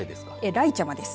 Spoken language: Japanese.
らいちゃまです。